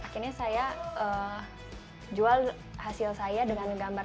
akhirnya saya jual hasil saya dengan gambar